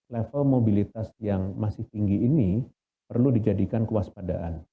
level mobilitas yang masih tinggi ini perlu dijadikan kewaspadaan